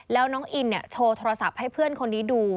แล้วน้องอินโชว์โทรศัพท์ให้เพื่อนคนนี้ดู